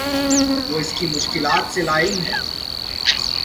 وہ اس کی مشکلات سے لاعلم ہے